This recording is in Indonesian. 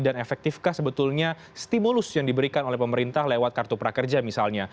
dan efektifkah sebetulnya stimulus yang diberikan oleh pemerintah lewat kartu prakerja misalnya